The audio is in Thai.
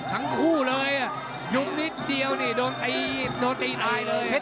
ทั้งคู่เลยอ่ะยุบนิดเดียวนี่โดนตีโดนตีตายเลย